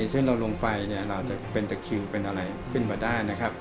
ซึ่งเราลงไปเนี่ยเราจะเป็นตะคิวเป็นอะไรขึ้นมาได้นะครับ